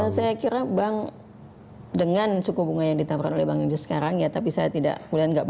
saya kira bank dengan suku bunganya yang ditabrak oleh bank indonesia sekarang ya tapi saya tidak bawa data tentang bunganya ya